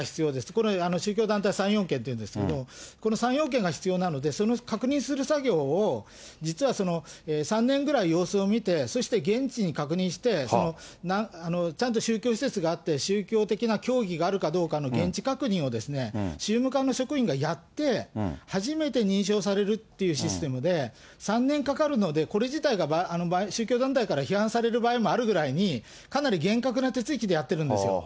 これ、宗教団体３要件っていうんですけど、この３要件が必要なので、その確認する作業を、実は３年ぐらい様子を見て、そして現地に確認して、ちゃんと宗教施設があって、宗教的な教義があるかどうかの現地確認を、宗務課の職員がやって、初めて認証されるっていうシステムで、３年かかるので、これ自体が宗教団体から批判される場合もあるぐらいに、かなり厳格な手続きでやってるんですよ。